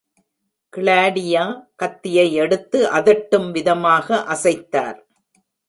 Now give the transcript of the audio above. Claudia கத்தியை எடுத்து அதட்டும் விதமாக அசைத்தார்.